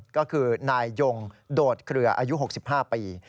ก็คือนายยงโดดเครืออายุ๖๕ปี